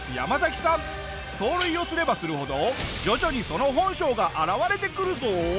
盗塁をすればするほど徐々にその本性が現れてくるぞ！